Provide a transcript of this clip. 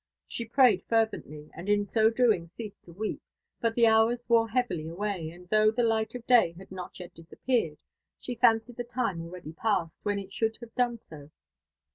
She prayed fervently, and in doing so ceased to weep; biit the hours wore heavily away, and though the light of day had, not yet disappeared, she f9ncied the time already past when it should have done so.